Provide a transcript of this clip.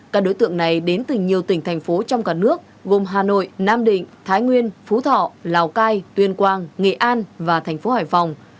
các đối tượng này đến từ nhiều tỉnh thành phố trong cả nước gồm hà nội nam định thái nguyên phú thọ lào cai tuyên quang nghệ an và thành phố hải phòng